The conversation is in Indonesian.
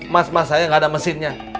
mas mas saya nggak ada mesinnya